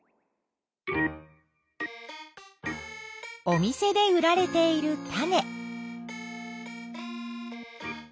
お店で売られている種。